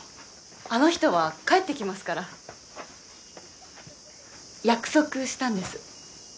あの人は帰ってきますから約束したんです